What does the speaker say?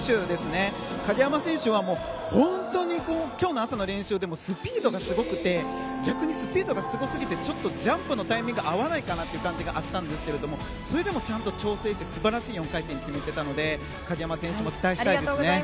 鍵山選手は本当に今日の朝の練習でもスピードがすごくて逆に、スピードがすごすぎてちょっとジャンプのタイミングが合わないかなという感じがあったんですがそれでもちゃんと調整して素晴らしい４回転を決めていたので鍵山選手も期待したいですね。